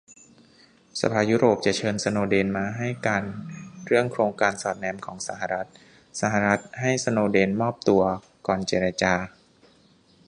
สภายุโรปจะเชิญสโนว์เดนมาให้การเรื่องโครงการสอดแนมของสหรัฐ - สหรัฐให้สโนว์เดนมอบตัวก่อนเจรจา